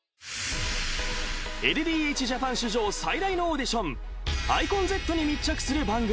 ＬＤＨＪＡＰＡＮ史上最大のオーディションｉＣＯＮＺに密着する番組。